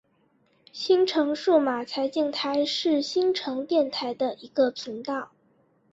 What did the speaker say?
新城数码财经台是新城电台的一个频道。